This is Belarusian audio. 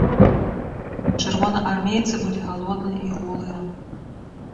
Чырвонаармейцы былі галодныя і голыя.